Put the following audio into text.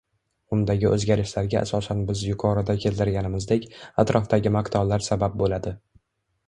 Undagi o`zgarishlarga asosan biz yuqorida keltirganimizdek, atrofdagi maqtovlar sabab bo`ladi